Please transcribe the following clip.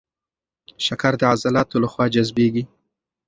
شکر د عضلاتو له خوا جذبېږي.